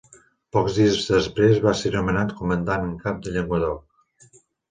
Pocs dies després va ser nomenat comandant en cap del Llenguadoc.